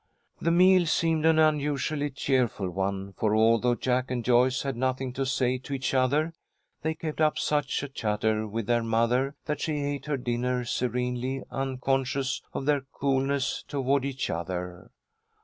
The meal seemed an unusually cheerful one, for although Jack and Joyce had nothing to say to each other, they kept up such a chatter with their mother, that she ate her dinner serenely unconscious of their coolness toward each other.